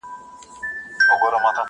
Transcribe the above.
• د الماسو یې جوړ کړی دی اصلي دی,